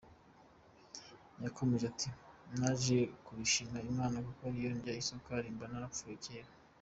Yarakomeje ati “Naje kubishimira Imana kuko iyo ndya isukari mba narapfuye kera.